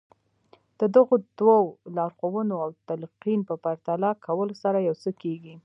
د دغو دوو لارښوونو او تلقين په پرتله کولو سره يو څه کېږي.